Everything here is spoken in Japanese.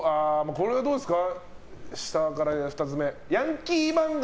これはどうですか？